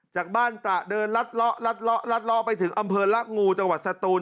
จากบ้านตระเดินลัดเลาะลัดเลาะลัดเลาะไปถึงอำเภอละงูจังหวัดสตูน